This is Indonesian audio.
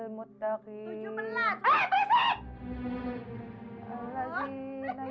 berdoa minta rejeki